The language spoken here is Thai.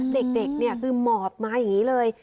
เด็กเนี่ยคือหมอบมาอย่างนี้เลย